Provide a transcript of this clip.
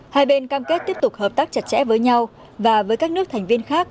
hai bên cam kết tiếp tục hợp tác chặt chẽ với nhau và với các nước thành viên khác